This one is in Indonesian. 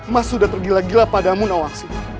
mas sudah tergila gila padamu nawas